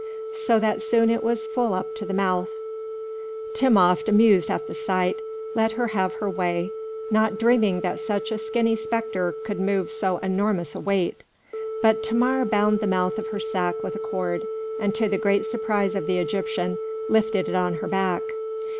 so that soon it was full up to the mouth. Timopht, amused at the sight, let her have her way, not dreaming that such a skinny spectre could move so enormous a weight. But Thamar bound the mouth of her sack with a cord, and to the great surprise of the Egyptian, lifted it on her back.